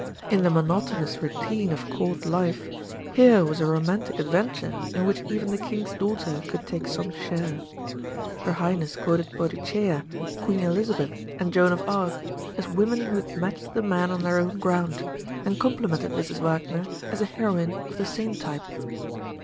In the monotonous routine of Court life, here was a romantic adventure in which even the King's daughter could take some share. Her Highness quoted Boadicea, Queen Elizabeth, and Joan of Arc, as women who had matched the men on their own ground and complimented Mrs. Wagner as a heroine of the same type.